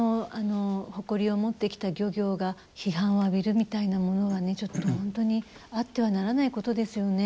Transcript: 誇りを持ってきた漁業が批判を浴びるみたいなものはちょっと本当にあってはならないことですよね。